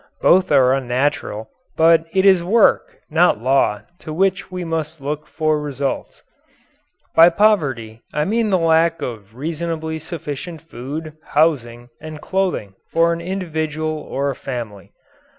Both are unnatural, but it is work, not law, to which we must look for results. By poverty I mean the lack of reasonably sufficient food, housing, and clothing for an individual or a family.